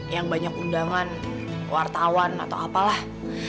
yang banyak undangan wartawan atau apalah